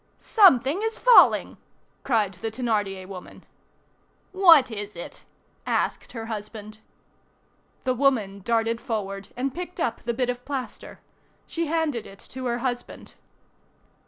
"Something is falling!" cried the Thénardier woman. "What is it?" asked her husband. The woman darted forward and picked up the bit of plaster. She handed it to her husband.